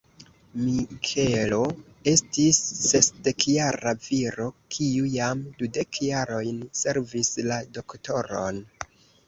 Mikelo estis sesdekjara viro, kiu jam dudek jarojn servis la doktoron.